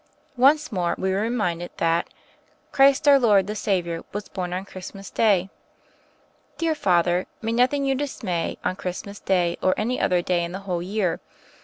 Once more, we are reminded that THE FAIRY OF THE SNOWS 73 'Christ Our Lord the Saviour, Was bom on Christmas day.* "Dear Father, may nothing you xiismay, on Christmas day or any other day in the whole year.